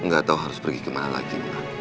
gak tau harus pergi kemana lagi